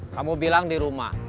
kamu bilang di rumah